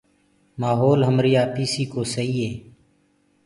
مآهولَ همريٚ آپيٚسيٚ ڪو سهيٚ هي